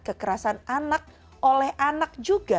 kekerasan anak oleh anak juga